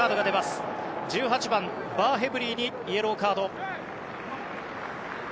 １８番、バーヘブリーにイエローカード。